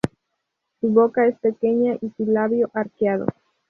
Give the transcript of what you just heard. Su boca es pequeña, y su labio arqueado.